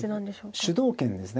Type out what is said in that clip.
主導権ですね。